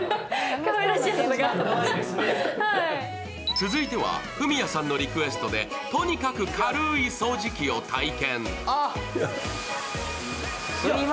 続いては文哉さんのリクエストでとにかく軽い掃除機を体験。